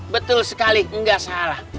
betul sekali gak salah